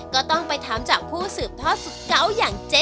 ก็ต้องไปถามจากผู้สืบทอดสุดเกาะอย่างเจ๊